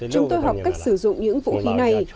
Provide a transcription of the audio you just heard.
chúng tôi học cách sử dụng những vũ khí này